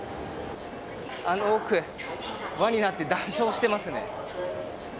あの奥輪になって談笑していますね。